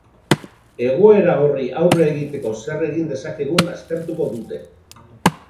Egoera horri aurre egiteko zer egin dezakegun aztertuko dute.